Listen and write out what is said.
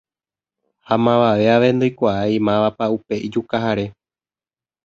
ha mavave ave ndoikuaái mávapa upe ijukahare.